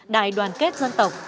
đại đoàn kết dân tộc